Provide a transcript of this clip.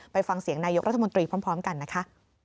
ไปฟังเสียงนายกรัฐมนตรีพร้อมกันนะคะ